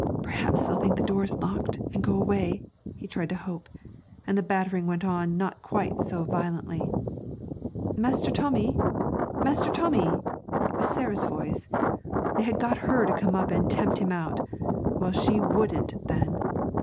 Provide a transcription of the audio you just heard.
'Perhaps they'll think the door's locked, and go away,' he tried to hope, and the battering went on not quite so violently. 'Master Tommy! Master Tommy!' It was Sarah's voice. They had got her to come up and tempt him out. Well, she wouldn't, then!